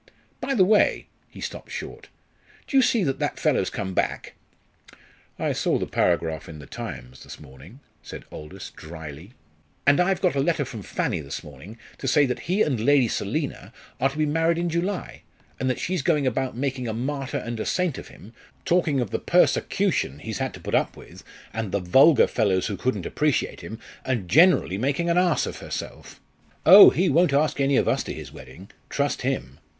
By the way " he stopped short "do you see that that fellow's come back?" "I saw the paragraph in the Times this morning," said Aldous, drily. "And I've got a letter from Fanny this morning, to say that he and Lady Selina are to be married in July, and that she's going about making a martyr and a saint of him, talking of the 'persecution' he's had to put up with, and the vulgar fellows who couldn't appreciate him, and generally making an ass of herself. Oh! he won't ask any of us to his wedding trust him.